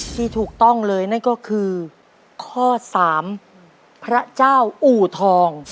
ที่ถูกต้องเลยนั่นก็คือข้อ๓พระเจ้าอู่ทอง